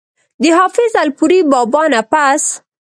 د حافظ الپورۍ بابا نه پس